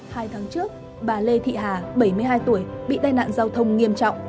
hai tháng trước bà lê thị hà bảy mươi hai tuổi bị tai nạn giao thông nghiêm trọng